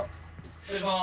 失礼します。